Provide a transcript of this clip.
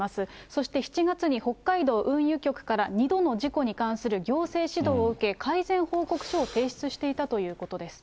そして７月に北海道運輸局から２度の事故に関する行政指導を受け、改善報告書を提出していたということです。